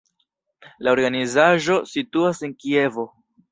La organizaĵo situas en Kievo.